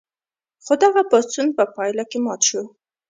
خو دغه پاڅون په پایله کې مات شو.